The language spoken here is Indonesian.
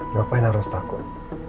ngapain harus takut